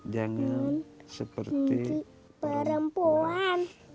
jangan seperti perempuan